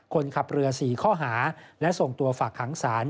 คนขับเรือ๔ข้อหาและส่งตัวฝากขังศาล